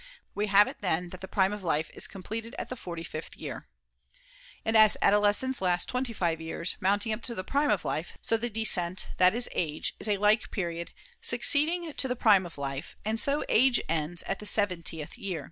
We have it, then, that the prime of life is completed at the forty fifth year. And as adolescence lasts twenty five years, mounting up to the prime of [^40] life, so the descent, that is, age, is a like period, succeeding to the prime of life ; and so age ends at the seventieth year.